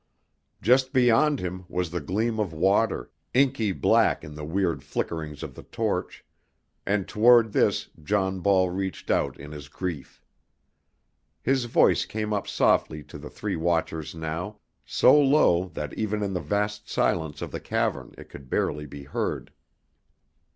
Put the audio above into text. Just beyond him was the gleam of water, inky black in the weird flickerings of the torch, and toward this John Ball reached out in his grief. His voice came up softly to the three watchers now, so low that even in the vast silence of the cavern it could barely be heard.